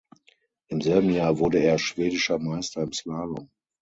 Im selben Jahr wurde er Schwedischer Meister im Slalom.